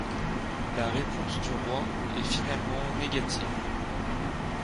La réponse du roi est finalement négative.